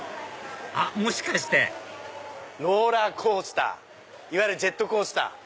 あっもしかして「ローラーコースター」！いわゆるジェットコースター。